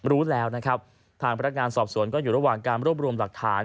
รู้แล้วนะครับทางพนักงานสอบสวนก็อยู่ระหว่างการรวบรวมหลักฐาน